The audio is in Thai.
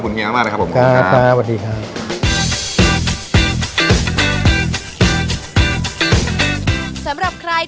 วันนี้ขอบคุณมากมากนะครับผมอ่าสวัสดีครับ